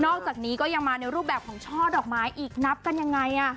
อกจากนี้ก็ยังมาในรูปแบบของช่อดอกไม้อีกนับกันยังไง